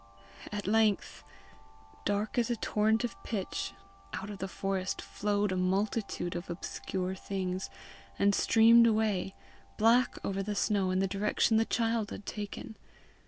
At length, dark as a torrent of pitch, out of the forest flowed a multitude of obscure things, and streamed away, black over the snow, in the direction the child had taken.